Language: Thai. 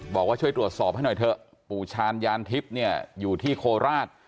บอกว่าช่วยตรวจสอบให้หน่อยเถอะปู่ชาญยานทิพย์เนี่ยอยู่ที่โคราช